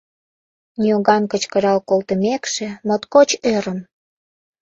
Ньоган кычкырал колтымекше, моткоч ӧрым: